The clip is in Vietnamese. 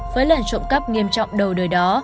với lần trụng cấp nghiêm trọng đầu đời đó